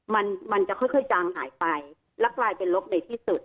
มันมันจะค่อยจางหายไปแล้วกลายเป็นลบในที่สุด